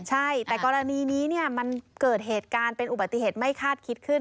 ใช่แต่กรณีนี้มันเกิดเหตุการณ์เป็นอุบัติเหตุไม่คาดคิดขึ้น